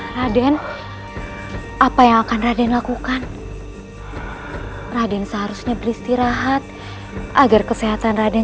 raden apa yang akan raden lakukan raden seharusnya beristirahat agar kesehatan raden